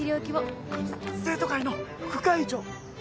生徒会の副会長。